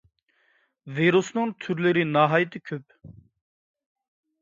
ۋىرۇسنىڭ تۈرلىرى ناھايىتى كۆپ.